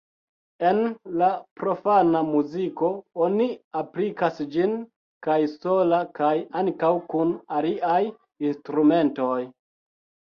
En la profana muziko oni aplikas ĝin kaj sola kaj ankaŭ kun aliaj instrumentoj.